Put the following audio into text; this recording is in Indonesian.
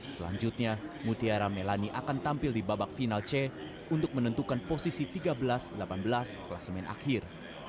selanjutnya mutiara melani akan tampil di babak final c untuk menentukan posisi tiga belas delapan belas kelas main akhir